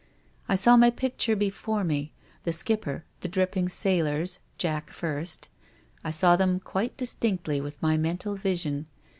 I saw my picture before me, the Skipper, the dripping sailors — Jack first. I saw them quite distinctly with my mental vision.